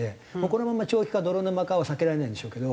このまま長期化泥沼化は避けられないんでしょうけど。